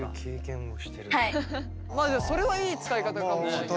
まあそれはいい使い方かもしれないね。